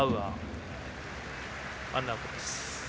ワンアウトです。